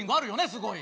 すごい。